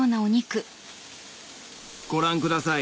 ご覧ください